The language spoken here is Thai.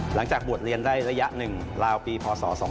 หลังจากบวชเรียนได้ระยะ๑ราวปีพศ๒๕๖